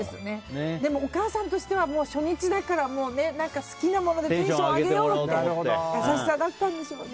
お母さんとしては初日だから好きなものでテンション上げてもらおうっていう優しさだったんでしょうね。